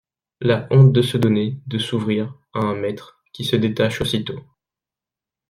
La honte de se donner, de s’ouvrir, à un maître, qui se détache aussitôt.